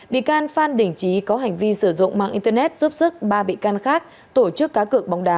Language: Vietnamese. bị can phan đình trí có hành vi sử dụng mạng internet giúp sức ba bị can khác tổ chức cá cược bóng đá